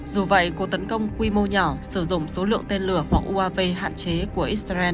dù vậy cuộc tấn công quy mô nhỏ sử dụng số lượng tên lửa hoặc uav hạn chế của israel